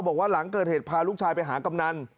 บอกว่าหลังเกิดเหตุพาลูกชายไปหากำนัน